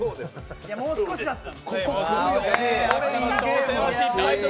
もう少しだった。